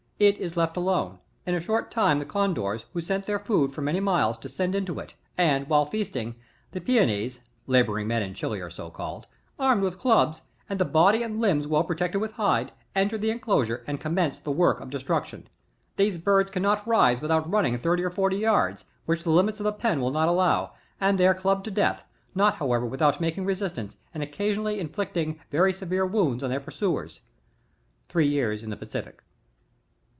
It is left alone. In a short time, the Condors, who scent their food for many miles, descend into it, and while feasting, the peones, (labouring men in Chile are so called) armed with clubs, and the body and limbs well protected with hide, enter the enclosure and commence the work of destruction. These birds cannot rise without running thirty or forty yards, which the limits of the pen will not allow, and they are clubbed to death, not however, without making resistance, and occasionally inflicting very severe wounds on their pursuers." — Three Years in the Pacific.